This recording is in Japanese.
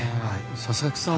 佐々木さん